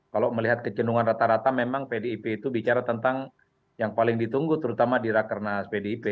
kalau melihat kecendungan rata rata memang pdip itu bicara tentang yang paling ditunggu terutama di rakernas pdip